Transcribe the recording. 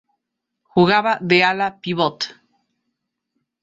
Jugaba de ala-pívot.